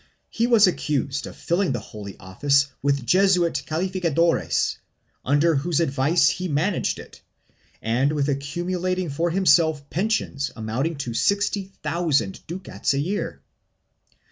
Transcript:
He was accused of filling the Holy Office with Jesuit calificadores, under whose advice he managed it, and with accumulating for himself pensions amounting to sixty thousand ducats a year.